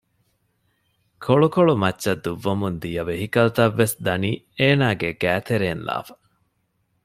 ކޮޅުކޮޅު މައްޗަށް ދުއްވަމުންދިޔަ ވެހިކަލްތައްވެސް ދަނީ އޭނާގެ ގައިތެރެއިން ލާފަ